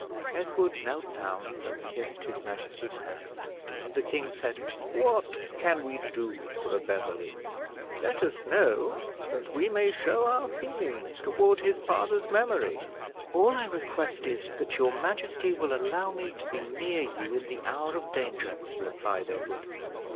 Edward knelt down and kissed his majesty's hand, and the king said "What can we do for a Beverley? let us know, that we may show our feelings toward his father's memory." "All I request is, that your majesty will allow me to be near you in the hour of danger," replied Edward.